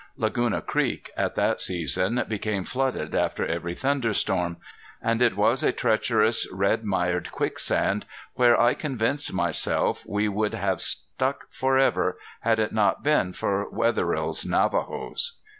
Laguna Creek, at that season, became flooded after every thunderstorm; and it was a treacherous red mired quicksand where I convinced myself we would have stuck forever had it not been for Wetherill's Navajos.